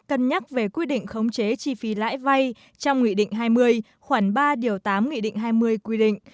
cân nhắc về quy định khống chế chi phí lãi vay trong nghị định hai mươi khoảng ba điều tám nghị định hai mươi quy định